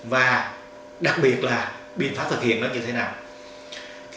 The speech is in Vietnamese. và đặc biệt là biện pháp thực hiện nó như thế nào